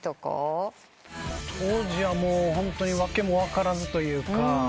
当時はホントに訳も分からずというか。